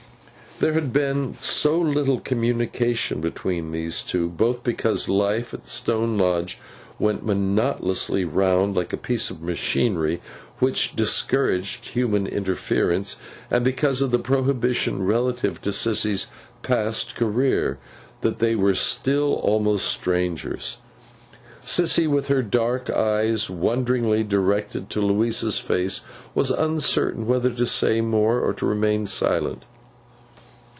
There had been so little communication between these two—both because life at Stone Lodge went monotonously round like a piece of machinery which discouraged human interference, and because of the prohibition relative to Sissy's past career—that they were still almost strangers. Sissy, with her dark eyes wonderingly directed to Louisa's face, was uncertain whether to say more or to remain silent.